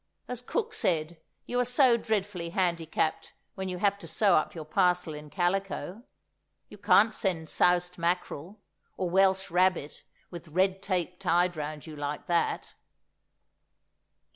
As cook said, you are so dreadfully handicapped when you have to sew up your parcel in calico; you can't send soused mackerel, or Welsh rabbit with Red Tape tied round you like that!